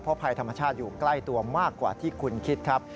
ภัยธรรมชาติอยู่ใกล้ตัวมากกว่าที่คุณคิดครับ